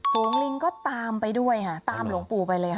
ฝูงลิงก็ตามไปด้วยค่ะตามหลวงปู่ไปเลยค่ะ